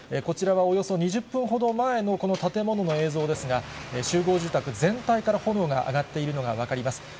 こちらはおよそ２０分ほど前のこの建物の映像ですが、集合住宅全体から炎が上がっているのが分かります。